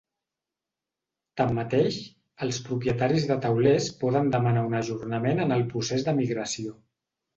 Tanmateix, els propietaris de taulers poden demanar un ajornament en el procés de migració.